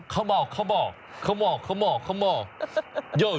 ข้าวเม่าข้าวเม่าข้าวเม่าข้าวเม่าข้าวเม่า